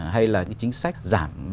hay là chính sách giảm